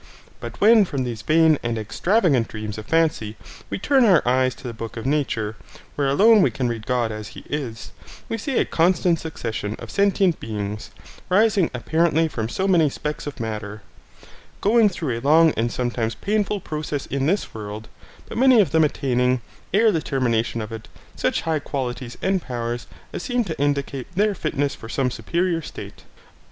But when from these vain and extravagant dreams of fancy, we turn our eyes to the book of nature, where alone we can read God as he is, we see a constant succession of sentient beings, rising apparently from so many specks of matter, going through a long and sometimes painful process in this world, but many of them attaining, ere the termination of it, such high qualities and powers as seem to indicate their fitness for some superior state.